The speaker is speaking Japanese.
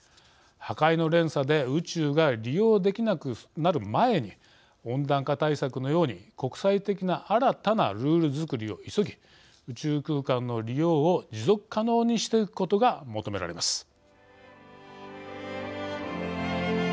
破壊の連鎖で宇宙が利用できなくなる前に温暖化対策のように国際的な新たなルール作りを急ぎ宇宙空間の利用を持続可能にしていくことが求められます。